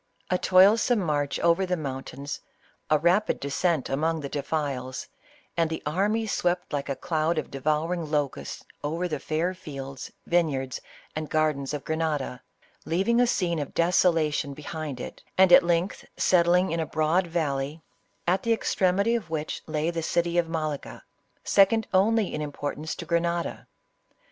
A toilsome march over the mountains, a rapid descent among the defiles, and the army swept like a cloud of devouring locusts over the fair fields, vine yards and gardens of Grenada, leaving a scene of deso lation behind it, and at length settling in a broad val ley, at the extremity of which lay the city of Malaga, second in importance only to Grenada.